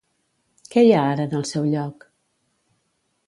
Què hi ha ara en el seu lloc?